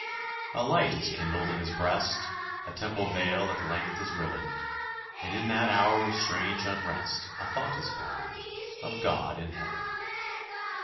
A light is kindled in his breast; A temple veil at length is riven; And in that hour of strange unrest A thought is born of God in heaven.